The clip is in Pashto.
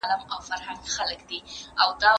که ناروغان لارښوونې عملي نه کړي، وضعیت یې خرابیږي.